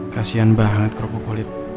kasian berhangat kropokolit